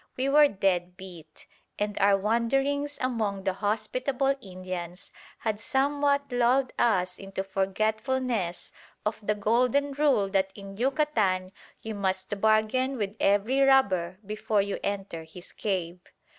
We were dead beat, and our wanderings among the hospitable Indians had somewhat lulled us into forgetfulness of the golden rule that in Yucatan you must bargain with every robber before you enter his cave.